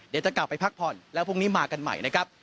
เดี๋ยวจะกลับไปพักผ่อนแล้วพรุ่งนี้มากันใหม่นะครับ